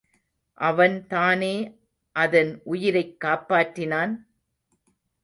அவன்தானே அதன் உயிரைக் காப்பாற்றினான்?